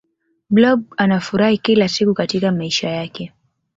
blob anafurahi kila siku katika maisha yake